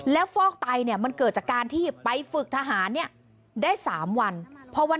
แล้วฟอกไตเนี่ยมันเกิดจากการที่ไปฝึกทหารเนี่ยได้๓วัน